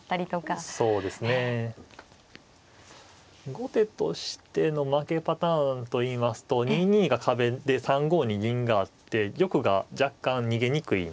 後手としての負けパターンといいますと２二が壁で３五に銀があって玉が若干逃げにくいんですよね。